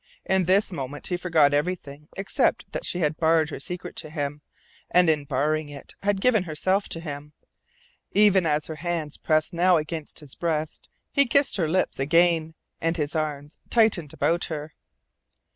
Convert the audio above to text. In this moment he forgot everything except that she had bared her secret to him, and in baring it had given herself to him. Even as her hands pressed now against his breast he kissed her lips again, and his arms tightened about her.